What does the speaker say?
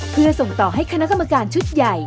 เพื่อส่งต่อให้คณะกรรมการชุดใหญ่